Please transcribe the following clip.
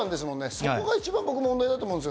そこが一番問題だと思うんです。